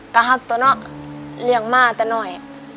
เราเลี้ยงมากตัวหน่อย